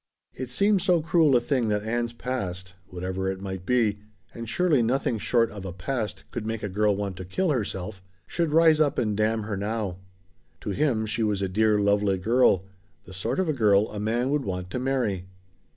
It seemed so cruel a thing that Ann's past whatever it might be, and surely nothing short of a "past" could make a girl want to kill herself should rise up and damn her now. To him she was a dear lovely girl the sort of a girl a man would want to marry.